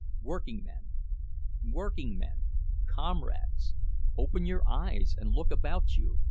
Working men, working men—comrades! open your eyes and look about you!